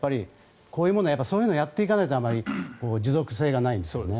そういうのをやっていかないとあまり持続性がないんですね。